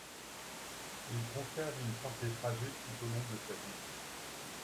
Il conserve une santé fragile tout au long de sa vie.